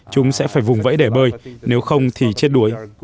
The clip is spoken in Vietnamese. chúng sẽ phải vùng vẫy để bơi nếu không thì chết đuối